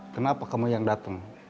kenapa kamu yang dateng